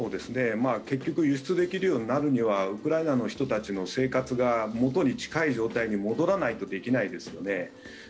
結局輸出できるようになるにはウクライナの人たちの生活が元に近い状態に戻らないとできないですよね。